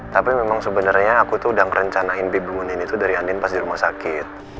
tapi memang sebenarnya aku tuh udah ngerencanain bibi bangunin itu dari andin pas di rumah sakit